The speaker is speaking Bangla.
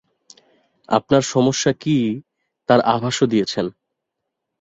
আপনার সমস্যা কি, তার আভাসও দিয়েছেন।